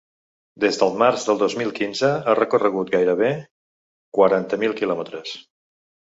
Des del març del dos mil quinze ha recorregut gairebé quaranta mil quilòmetres.